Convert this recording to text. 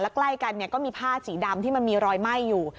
ใกล้กันก็มีผ้าสีดำที่มันมีรอยไหม้อยู่